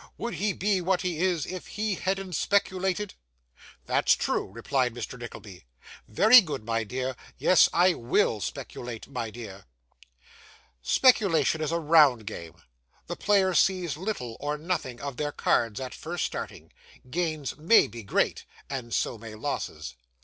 Would he be what he is, if he hadn't speculated?' 'That's true,' replied Mr. Nickleby. 'Very good, my dear. Yes. I WILL speculate, my dear.' Speculation is a round game; the players see little or nothing of their cards at first starting; gains MAY be great and so may losses.